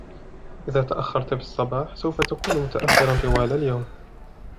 إذا تأخرت في الصباح, سوف تكون متأخراً طوال اليوم.